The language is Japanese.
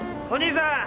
お兄さん！